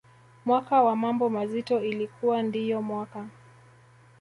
mwaka wa mambo mazito ilikuwa ndiyo mwaka